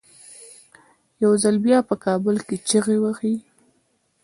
یو ځل بیا په کابل کې چیغې وهي.